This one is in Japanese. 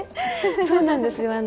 そうなんですよ。